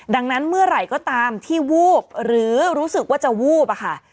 ดังนั้นเมื่อไหร่ก็ตามที่วูบหรือรู้สึกว่าจะวูบอะค่ะ